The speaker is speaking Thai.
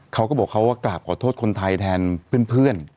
เขาก็บอกเขาว่ากราบขอโทษคนไทยแทนเพื่อน